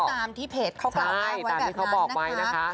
อันนี้ตามที่เพจเขากล่าวได้ไว้แบบนั้นนะคะ